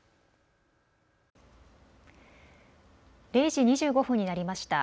０時２５分になりました。